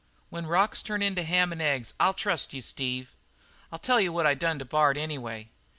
"When rocks turn into ham and eggs I'll trust you, Steve. I'll tell you what I done to Bard, anyway.